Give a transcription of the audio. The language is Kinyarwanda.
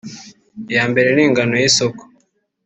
Iya mbere ni ingano y’isoko